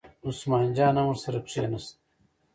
عثمان جان هم ورسره کېناست.